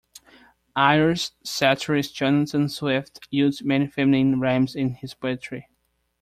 Irish satirist Jonathan Swift used many feminine rhymes in his poetry.